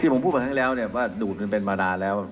ที่ผมพูดมาทั้งทั้งแล้วเนี่ยว่าดูดมันเป็นมานานแล้ว